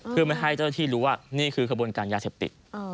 เพื่อไม่ให้เจ้าที่รู้ว่านี่คือขบวนการยาเสพติด